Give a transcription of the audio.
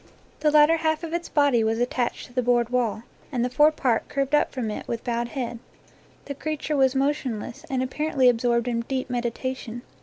The lat ter half of its body was attached to the board wall, and the fore part curved up from it with bowed head. The creature was motionless, and apparently ab sorbed in deep meditation.